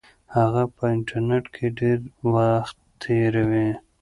هغه په انټرنیټ کې ډېر وخت تیروي.